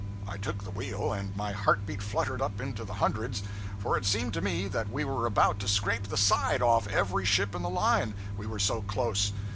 I took the wheel, and my heart beat fluttered up into the hundreds; for it seemed to me that we were about to scrape the side off every ship in the line, we were so close.